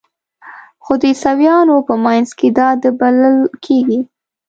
خو د عیسویانو په منځ کې دا د بلل کیږي.